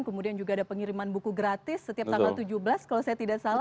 kemudian juga ada pengiriman buku gratis setiap tanggal tujuh belas kalau saya tidak salah